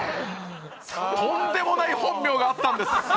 とんでもない本名があったんです